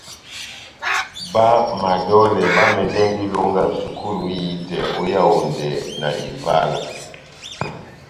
Bá madolè bá mɛdɛndi ilonga sukulu ihitɛ ó Yaondɛ na Ivala.